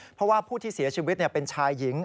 เพราะว่าผู้ที่เสียชีวิตเป็นชายหญิง